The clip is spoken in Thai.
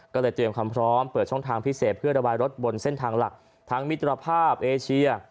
ก็เลยเตรียมความพร้อมเปิดช่องทางพิเศษเพื่อระบายรถบนเส้นทางหลักทั้งมิตรภาพเอเชีย